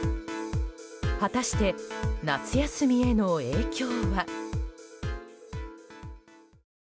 果たして夏休みへの影響は。